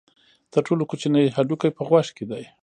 تر ټولو کوچنی هډوکی په غوږ کې دی.